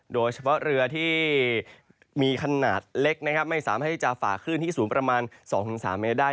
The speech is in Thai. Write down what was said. โดยเฉพาะเรือที่มีขนาดเล็กไม่สามารถฝากขึ้นที่สูงประมาณ๒๓เมตรได้